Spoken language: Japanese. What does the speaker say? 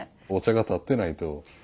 お茶が点ってないと。